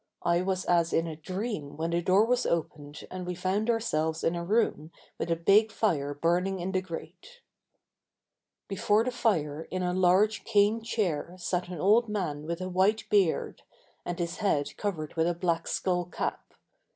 I was as in a dream when the door was opened and we found ourselves in a room with a big fire burning in the grate. Before the fire in a large cane chair sat an old man with a white beard, and his head covered with a black skull cap.